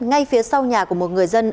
ngay phía sau nhà của một người dân